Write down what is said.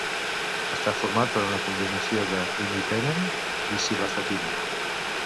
Està format per una combinació d'imipenem i cilastatina.